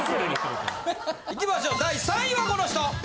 いきましょう第３位はこの人！